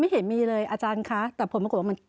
ไม่เห็นมีเลยอาจารย์คะแต่ผมก็คิดว่ามัน